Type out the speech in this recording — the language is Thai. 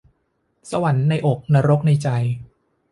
สวรรค์ในอกนรกในใจ